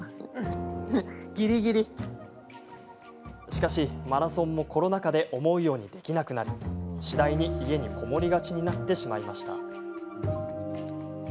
しかし、マラソンもコロナ禍で思うようにできなくなり次第に家に籠もりがちになってしまいました。